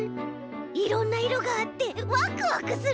いろんないろがあってワクワクする。